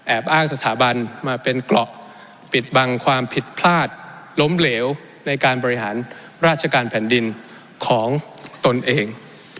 อ้างสถาบันมาเป็นเกราะปิดบังความผิดพลาดล้มเหลวในการบริหารราชการแผ่นดินของตนเอง